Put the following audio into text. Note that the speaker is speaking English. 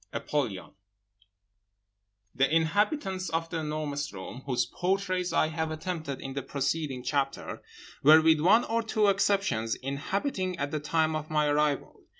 APOLLYON The inhabitants of The Enormous Room whose portraits I have attempted in the preceding chapter, were, with one or two exceptions, inhabiting at the time of my arrival.